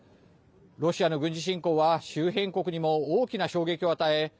ロシアの軍事侵攻は周辺国にも大きな衝撃を与え